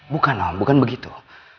bukan om bukan begitu